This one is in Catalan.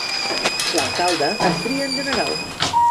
L'alcalde es tria en general.